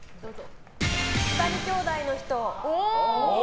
２人きょうだいの人。